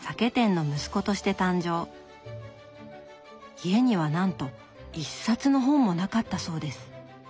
家にはなんと一冊の本もなかったそうです。